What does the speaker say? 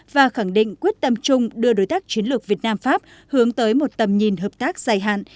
và khẳng định quyết tâm chung đưa đối tác chiến lược việt nam pháp hướng tới một tầm nhìn hợp tác dài hạn